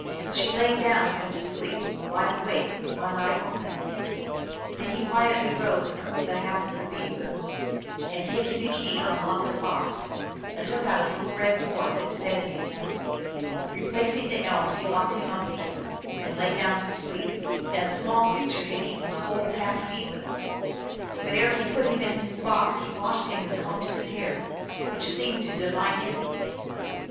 So she laid down and went to sleep, wide awake, with one eye open. Then he quietly rose and cooked the half of the beaver, and taking a key (Apkwosge hegan, P.) unlocked a box, and took out a little red dwarf and fed him. Replacing the elf, he locked him up again, and lay down to sleep. And the small creature had eaten the whole half beaver. But ere he put him in his box he washed him and combed his hair, which seemed to delight him.